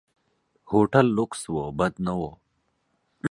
هوټل لکس و، بد نه و.